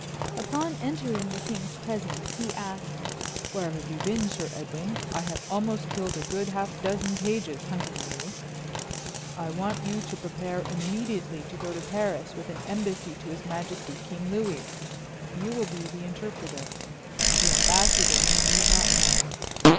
Upon entering the king's presence he asked, "Where have you been, Sir Edwin? I have almost killed a good half dozen pages hunting you. I want you to prepare immediately to go to Paris with an embassy to his majesty, King Louis. You will be the interpreter. The ambassador you need not know.